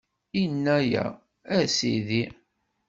Inna-a: A Sidi!